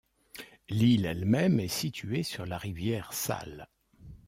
L'île elle-même est située sur la rivière Sal.